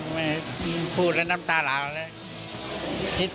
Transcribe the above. ไม่คงพูดด้วยน้ำตาหลั่งเลย